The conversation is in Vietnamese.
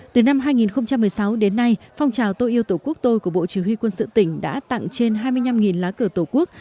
từ năm hai nghìn một mươi sáu đến nay phong trào tô yêu tổ quốc tôi của bộ chỉ huy quân sự tỉnh đã tặng trên hai mươi năm lá cờ tổ quốc